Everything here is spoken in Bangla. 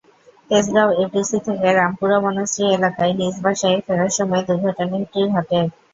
তেজগাঁও এফডিসি থেকে রামপুরা বনশ্রী এলাকায় নিজ বাসায় ফেরার সময় দুর্ঘটনাটি ঘটে।